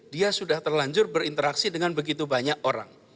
dia sudah terlanjur berinteraksi dengan begitu banyak orang